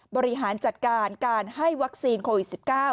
บริหารจัดการการให้วัคซีนโควิด๑๙